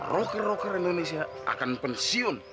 roker roker indonesia akan pensiun